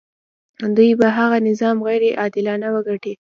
دوی به هغه نظام غیر عادلانه وګڼي.